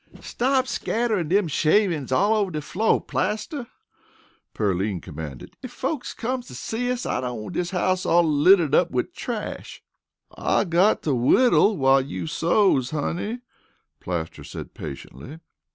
"Stop scatterin' dem shavin's all over de floor, Plaster," Pearline commanded. "Ef folks comes to see us, I don't want dis house all literated up wid trash." "I got to whittle while you sews, honey," Plaster said patiently.